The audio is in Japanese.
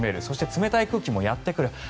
そして冷たい空気もやってくる。